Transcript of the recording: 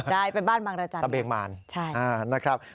ได้ไปบ้านบางราชาตะเบงมารนะครับใช่